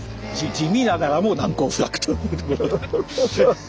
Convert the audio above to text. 地味ながらも難攻不落という。